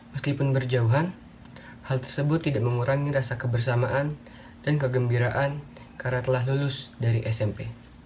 meskipun berjauhan hal tersebut tidak mengurangi rasa kebersamaan dan kegembiraan karena telah lulus dari smp